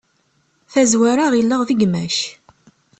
Tazwara ɣilleɣ d gma-k.